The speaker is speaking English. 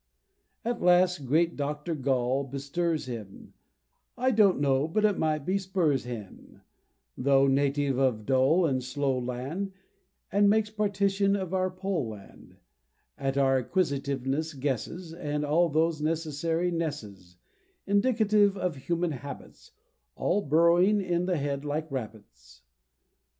At last great Dr. Gall bestirs him I don't know but it might be Spurzheim Tho' native of a dull and slow land, And makes partition of our Poll land; At our Acquisitiveness guesses, And all those necessary nesses Indicative of human habits, All burrowing in the head like rabbits.